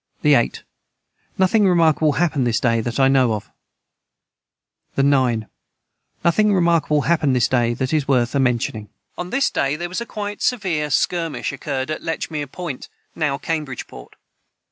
the 8. Nothing remarkable hapned this day that I know of. the 9. Nothing remarkable hapned this day that is worth amentioning. [Footnote 177: On this day there was quite a severe skirmish occurred at Lechmere's point, now Cambridgeport.